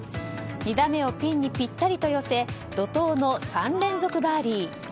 ２打目をピンにぴったりと寄せ怒涛の３連続バーディー。